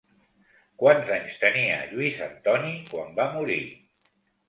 Quants anys tenia Lluís Antoni quan va morir?